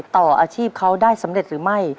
ต่ออาชีพเขาได้สำเร็จหรือไม่